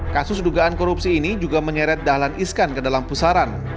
kasus dugaan korupsi ini juga menyeret dahlan iskan ke dalam pusaran